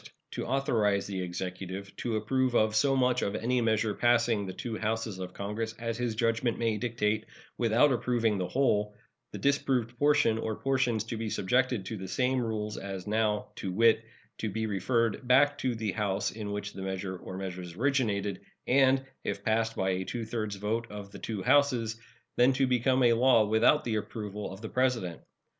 To authorize the Executive to approve of so much of any measure passing the two Houses of Congress as his judgment may dictate, without approving the whole, the disapproved portion or portions to be subjected to the same rules as now, to wit, to be referred back to the House in which the measure or measures originated, and, if passed by a two thirds vote of the two Houses, then to become a law without the approval of the President.